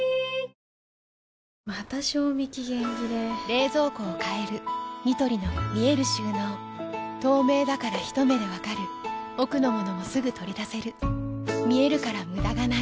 また賞味期限切れ冷蔵庫を変えるニトリの見える収納透明だからひと目で分かる奥の物もすぐ取り出せる見えるから無駄がないよし。